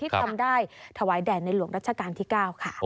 ทำได้ถวายแด่ในหลวงรัชกาลที่๙ค่ะ